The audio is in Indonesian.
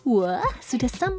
wah ini keren banget